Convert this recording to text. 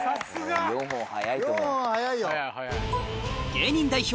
芸人代表